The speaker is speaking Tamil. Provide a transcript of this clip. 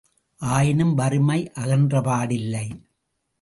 ஆயினும் வறுமை அகன்றபாடில்லை.